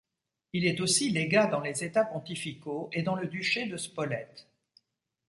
Il est aussi légat dans les États pontificaux et dans le duché de Spolète.